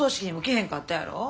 へんかったやろ。